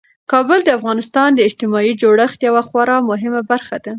کابل د افغانستان د اجتماعي جوړښت یوه خورا مهمه برخه ده.